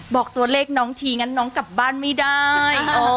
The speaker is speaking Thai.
บอกตัวเลขน้องทีงั้นน้องกลับบ้านไม่ได้